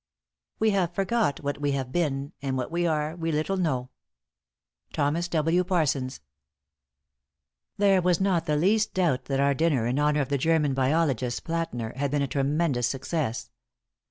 * We have forgot what we have been, And what we are we little know. Thomas W. Parsons. There was not the least doubt that our dinner in honor of the German biologist, Plätner, had been a tremendous success.